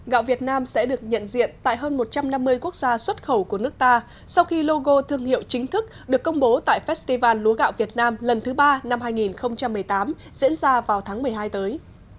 gạo việt nam sẽ được nhận diện tại hơn một trăm năm mươi quốc gia xuất khẩu của nước ta sau khi logo thương hiệu chính thức được công bố tại festival lúa gạo việt nam lần thứ ba năm hai nghìn một mươi tám diễn ra vào tháng một mươi hai tới